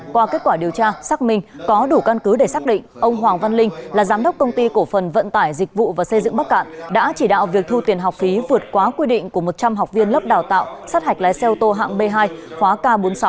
qua kết quả điều tra xác minh có đủ căn cứ để xác định ông hoàng văn linh là giám đốc công ty cổ phần vận tải dịch vụ và xây dựng bắc cạn đã chỉ đạo việc thu tiền học phí vượt quá quy định của một trăm linh học viên lớp đào tạo sát hạch lái xe ô tô hạng b hai khóa k bốn mươi sáu